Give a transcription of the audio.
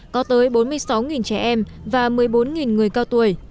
có tới bốn mươi sáu trẻ em và một mươi bốn người cao tuổi